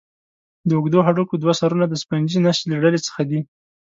د اوږدو هډوکو دوه سرونه د سفنجي نسج له ډلې څخه دي.